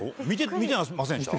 見てませんでした？